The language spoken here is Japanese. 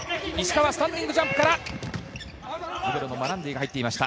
石川スタンディングジャンプからマランディが入っていました。